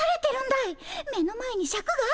目の前にシャクがあるんだよ。